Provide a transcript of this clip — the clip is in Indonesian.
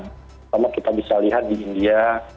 pertama kita bisa lihat di india